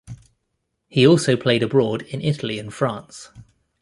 He also played abroad in Italy and France.